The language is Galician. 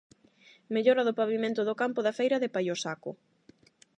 Mellora do pavimento do campo da feira de Paiosaco.